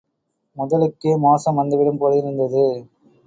முதலுக்கே மோசம் வந்துவிடும் போலிருந்தது.